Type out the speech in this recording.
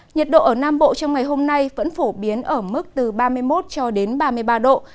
nhiệt độ ở nam bộ trong ngày hôm nay vẫn phổ biến ở mức từ ba mươi một cho đến ba mươi ba độ